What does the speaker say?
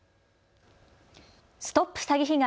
ＳＴＯＰ詐欺被害！